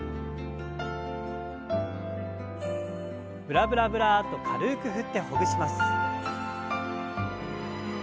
ブラブラブラッと軽く振ってほぐします。